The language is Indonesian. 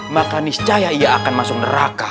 maka niscaya ia akan masuk neraka